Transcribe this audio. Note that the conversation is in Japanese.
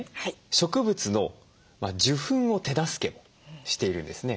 植物の受粉を手助けもしているんですね。